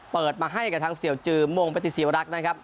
เปิดมาให้กับทางเสี่ยวจือมงปฏิเสวรักษ์นะครับ